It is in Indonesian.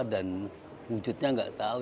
dan wujudnya nggak tahu